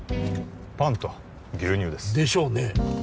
パンと牛乳ですでしょうねえ